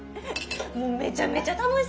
もうめちゃめちゃ楽しそうで。